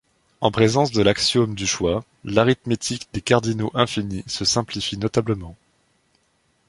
En présence de l'axiome du choix, l'arithmétique des cardinaux infinis se simplifie notablement.